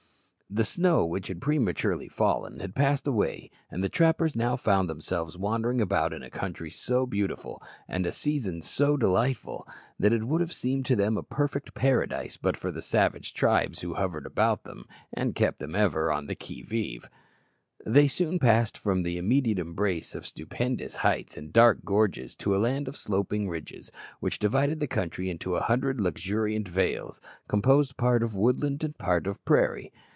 The snow which had prematurely fallen had passed away, and the trappers now found themselves wandering about in a country so beautiful and a season so delightful, that it would have seemed to them a perfect paradise, but for the savage tribes who hovered about them, and kept them ever on the qui vive. They soon passed from the immediate embrace of stupendous heights and dark gorges to a land of sloping ridges, which divided the country into a hundred luxuriant vales, composed part of woodland and part of prairie.